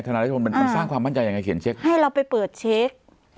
นายรัชพลมันสร้างความมั่นใจยังไงเขียนเช็คให้เราไปเปิดเช็ค